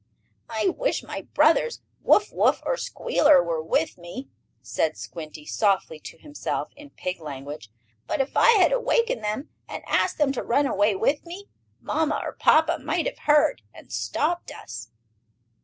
"I wish my brothers, Wuff Wuff or Squealer were with me," said Squinty softly to himself, in pig language. "But if I had awakened them, and asked them to run away with me, mamma or papa might have heard, and stopped us."